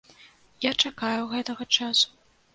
Я чакаю гэтага часу.